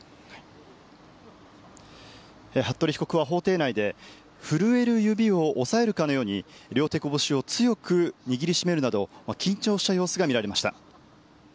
服部被告は法廷内で、震える指を押さえるかのように、両手拳を強く握りしめるなど、緊張した様子が見られました。